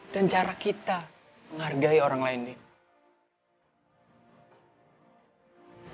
dan cara kita menghargai orang lain din